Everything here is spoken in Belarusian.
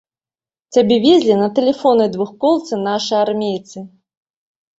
Цябе везлі на тэлефоннай двухколцы нашы армейцы.